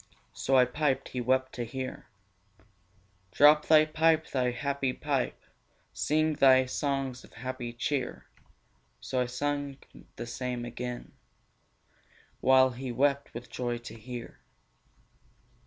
So I piped: he wept to hear. 'Drop thy pipe, thy happy pipe; Sing thy songs of happy cheer!' So I sung the same again, While he wept with joy to hear.